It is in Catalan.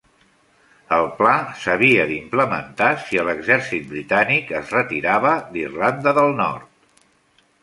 El pla s'havia d'implementar si l'Exèrcit Britànic es retirava d'Irlanda del Nord.